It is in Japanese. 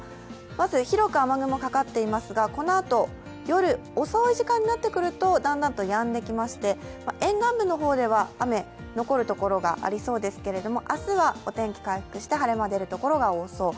まず広く雨雲がかかっていますが、夜遅い時間になってくるとだんだんとやんできまして沿岸部では雨、残る所がありそうですけれども、明日はお天気、回復して晴れ間が出る所が多そう。